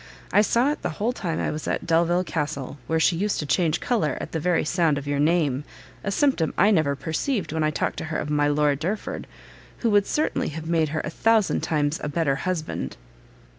I saw it the whole time I was at Delvile Castle, where she used to change colour at the very sound of your name; a symptom I never perceived when I talked to her of my Lord Derford, who would certainly have made her a thousand times a better husband."